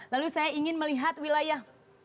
lalu saya ingin melihat wilayah